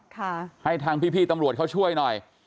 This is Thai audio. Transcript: ค่ะให้ทางพี่พี่ตำรวจเขาช่วยหน่อย